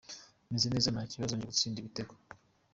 Meze neza nta kibazo, nje gutsinda ibitego”.